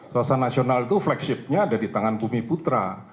suasana nasional itu flagshipnya ada di tangan bumi putra